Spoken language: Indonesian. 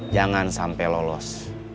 jangan sampai lolos